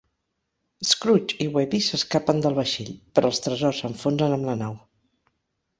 Scrooge i Webby s'escapen del vaixell, però els tresors s'enfonsen amb la nau.